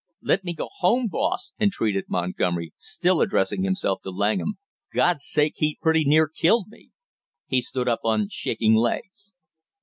"Let me go home, boss!" entreated Montgomery, still addressing himself to Langham. "God's sake, he pretty near killed me!" He stood up on shaking legs.